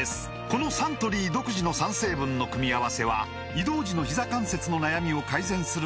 このサントリー独自の３成分の組み合わせは移動時のひざ関節の悩みを改善することが報告されています